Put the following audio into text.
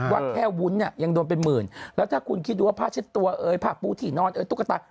ว่าแค่วุ้นเนี่ยยังโดนเป็นหมื่นแล้วถ้าคุณคิดดูว่าผ้าเช็ดตัวเอ่ยผ้าปูที่นอนเอ้ยตุ๊กตา